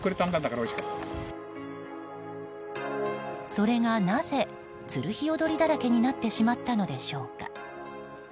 それが、なぜツルヒヨドリだらけになってしまったのでしょうか。